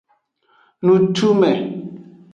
Nutume.